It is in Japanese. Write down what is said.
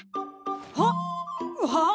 はっ！はあ！？